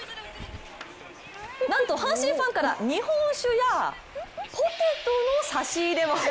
なんと阪神ファンから日本酒や、ポテトの差し入れも。